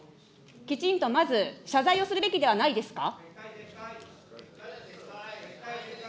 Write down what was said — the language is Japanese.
きちんとまず、謝罪をするべきではないですか。